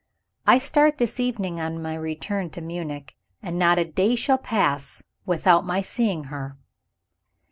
I start this evening on my return to Munich, and not a day shall pass without my seeing her."